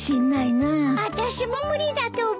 あたしも無理だと思う。